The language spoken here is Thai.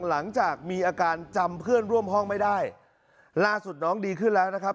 หลังจากมีอาการจำเพื่อนร่วมห้องไม่ได้ล่าสุดน้องดีขึ้นแล้วนะครับ